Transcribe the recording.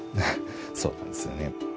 そうなんですよね。